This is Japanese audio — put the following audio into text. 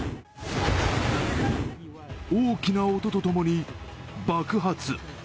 大きな音とともに爆発。